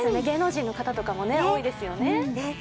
芸能人の方とかも多いですよね。